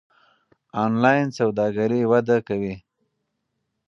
انلاین سوداګري وده کوي.